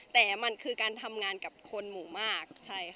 แต่มันคือการทำงานกับคนหมู่มาก